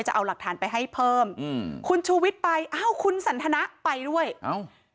จะเอาหลักฐานไปให้เพิ่มอืมคุณชูวิทย์ไปอ้าวคุณสันทนะไปด้วยเอ้า